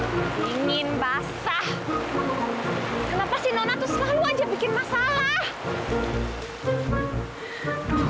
dingin basah kenapa si nona tuh selalu aja bikin masalah